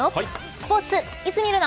スポーツ、いつ見るの。